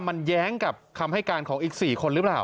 มันแย้งกับคำให้การของอีก๔คนหรือเปล่า